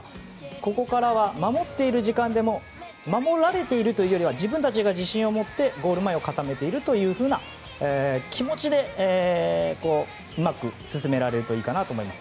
ここからは守っている時間でも守られているというよりは自分たちが自信を持ってゴール前を固めているというふうな気持ちでうまく進められるといいかなと思います。